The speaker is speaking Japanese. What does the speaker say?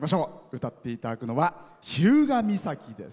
歌っていただくのは「日向岬」です。